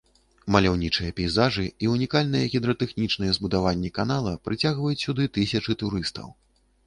Маляўнічыя пейзажы і ўнікальныя гідратэхнічныя збудаванні канала прыцягваюць сюды тысячы турыстаў.